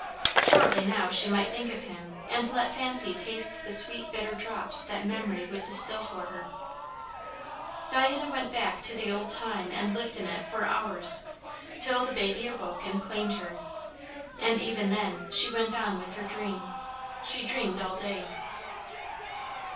Surely now she might think of him, and let fancy taste the sweet bitter drops that memory would distil for her. Diana went back to the old time and lived in it for hours, till the baby awoke and claimed her; and even then she went on with her dream. She dreamed all day.